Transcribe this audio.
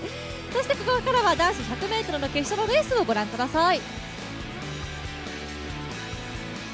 そしてここからは男子８００ｍの決勝のレースをご覧ください。